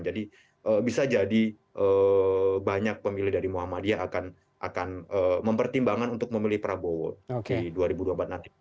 jadi bisa jadi banyak pemilih dari muhammadiyah akan mempertimbangkan untuk memilih prabowo di dua ribu dua puluh nanti